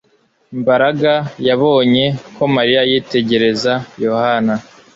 Mbaraga yabonye ko Mariya yitegereza Yohana